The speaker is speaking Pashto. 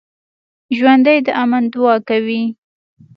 ژوندي د امن دعا کوي